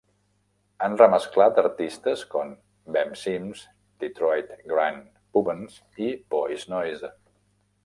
Han remesclat artistes com Ben Sims, Detroit Grand Pubahs i Boys Noize.